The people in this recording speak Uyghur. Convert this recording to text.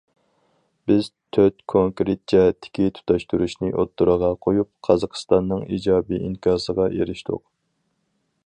بىز تۆت كونكرېت جەھەتتىكى تۇتاشتۇرۇشنى ئوتتۇرىغا قويۇپ، قازاقىستاننىڭ ئىجابىي ئىنكاسىغا ئېرىشتۇق.